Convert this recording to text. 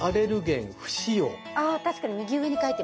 あ確かに右上に書いてます。